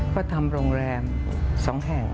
ก็ทำโรงแรม๒แห่ง